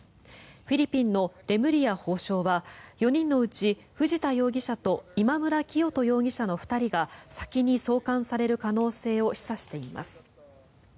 フィリピンのレムリヤ法相は４人のうち藤田容疑者と今村磨人容疑者の２人が先に送還される可能性を示唆しています。